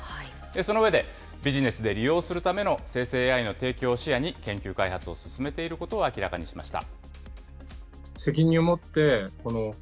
その上で、ビジネスで利用するための生成ＡＩの提供を視野に、研究開発を進めていることを明らかにしました。